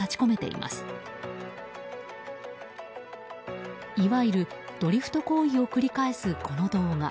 いわゆるドリフト行為を繰り返すこの動画。